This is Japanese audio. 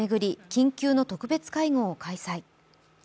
緊急の特別会合を開催。